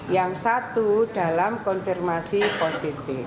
yang satu dalam konfirmasi positif